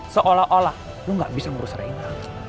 seolah olah lo gak bisa ngurus reina